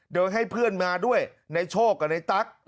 โดยให้เพื่อนมาด้วยในโชคกับในตั๊ก